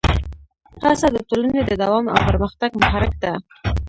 هڅه د ټولنې د دوام او پرمختګ محرک ده.